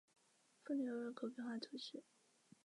布尼欧人口变化图示